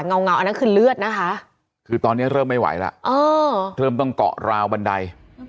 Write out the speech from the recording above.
เงาอันนั้นคือเลือดนะคะคือตอนนี้เริ่มไม่ไหวแล้วเริ่มต้องเกาะราวบันได